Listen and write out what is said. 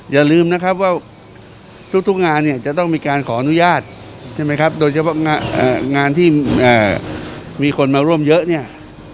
อย่าลืมนะครับว่าทุกงานจะต้องมีการขออนุญาตโดยเฉพาะงานที่มีคนมาร่วมเยอะ